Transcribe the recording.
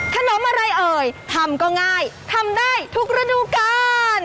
ขนมอะไรเอ่ยทำก็ง่ายทำได้ทุกระดูการ